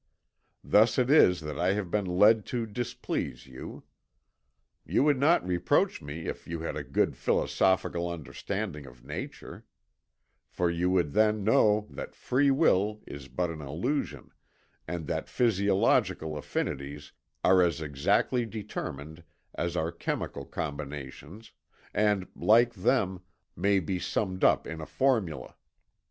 Thus it is that I have been led to displease you. You would not reproach me if you had a good philosophical understanding of nature; for you would then know that free will is but an illusion, and that physiological affinities are as exactly determined as are chemical combinations, and, like them, may be summed up in a formula.